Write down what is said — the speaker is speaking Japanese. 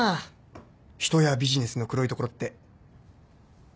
人やビジネスの黒いところって面白いじゃん。